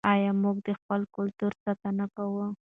آیا موږ د خپل کلتور ساتنه کوو؟